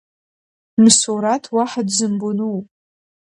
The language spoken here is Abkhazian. Мсураҭ уаҳа дзымбону?